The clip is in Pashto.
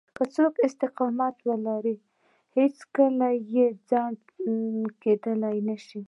که څوک استقامت ولري هېڅوک يې خنډ کېدای نشي.